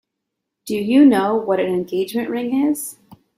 Do you know what an engagement ring is?